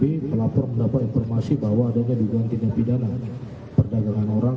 kami mendapat informasi bahwa adanya dugaan tindak pidana perdagangan orang